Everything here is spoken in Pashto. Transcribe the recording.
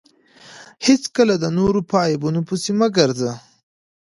هېڅکله د نورو په عیبو پيسي مه ګرځه!